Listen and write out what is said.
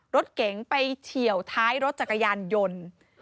รถเก๋งไปเฉียวท้ายรถจักรยานยนต์